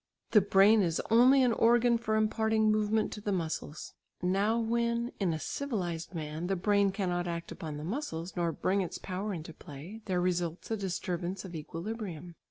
The brain is only an organ for imparting movement to the muscles. Now when in a civilised man the brain cannot act upon the muscles, nor bring its power into play, there results a disturbance of equilibrium.